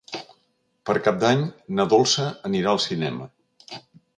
Per Cap d'Any na Dolça anirà al cinema.